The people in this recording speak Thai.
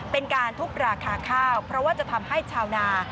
เป็นการทุบราคาข้าวเพราะว่าจะทำให้ชาวนา